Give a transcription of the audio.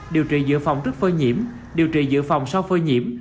điều trị giữ phòng trước phơi nhiễm điều trị giữ phòng sau phơi nhiễm